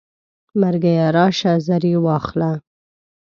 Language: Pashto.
مرګیه راشه زر یې واخله.